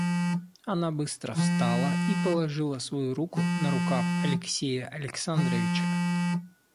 Она быстро встала и положила свою руку на рукав Алексея Александровича.